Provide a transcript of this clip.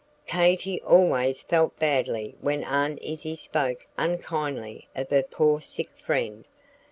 Katy always felt badly when Aunt Izzie spoke unkindly of her poor sick friend.